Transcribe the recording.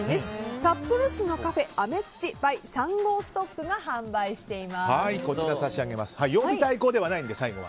札幌市のカフェ、あめつちｂｙ３５ｓｔｏｃｋが曜日対抗ではないので、最後は。